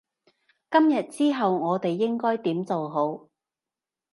今日之後我哋應該點做好？